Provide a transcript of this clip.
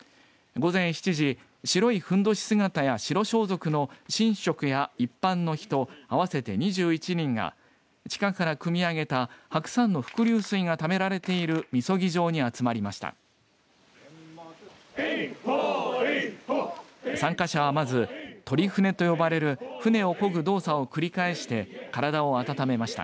午前７時白いふんどし姿や白装束の神職や一般の人合わせて２１人が地下からくみ上げた白山の伏流水がためられているみそぎ場に集まりました。